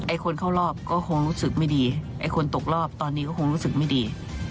คนเข้ารอบก็คงรู้สึกไม่ดีไอ้คนตกรอบตอนนี้ก็คงรู้สึกไม่ดี